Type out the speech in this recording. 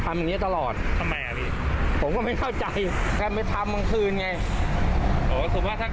ทำอย่างเงี้ยตลอดทำไมอ่ะกลีก็ไม่เข้าใจแกไม่ทำบางคืนไงอ๋อคือว่าค่ะ